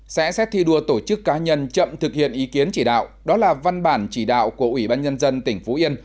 sẽ xét thi đua tổ chức cá nhân chậm thực hiện ý kiến chỉ đạo đó là văn bản chỉ đạo của ủy ban nhân dân tỉnh phú yên